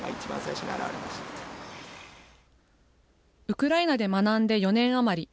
ウクライナで学んで４年余り。